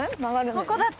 ここだと。